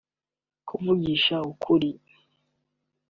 Kuvugisha ukuri